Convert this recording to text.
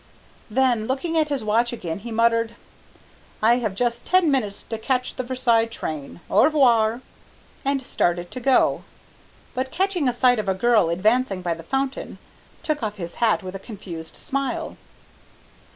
Then looking at his watch again, he muttered, "I have just ten minutes to catch the Versailles train; au revoir," and started to go, but catching sight of a girl advancing by the fountain, took off his hat with a confused smile.